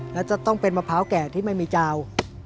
แล้วจะต้องเป็นมะพร้าวแก่ที่ไม่มีเจ้า